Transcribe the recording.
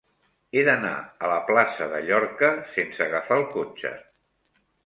He d'anar a la plaça de Llorca sense agafar el cotxe.